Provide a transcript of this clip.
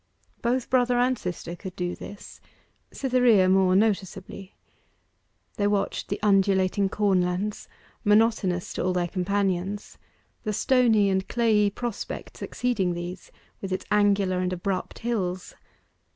Both brother and sister could do this; Cytherea more noticeably. They watched the undulating corn lands, monotonous to all their companions; the stony and clayey prospect succeeding those, with its angular and abrupt hills.